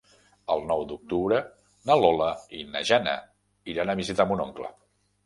El nou d'octubre na Lola i na Jana iran a visitar mon oncle.